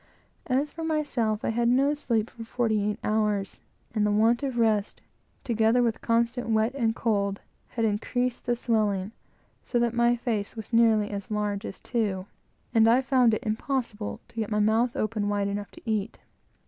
As for myself, I had had no sleep for forty eight hours; and the want of rest, together with constant wet and cold, had increased the swelling, so that my face was nearly as large as two, and I found it impossible to get my mouth open wide enough to eat.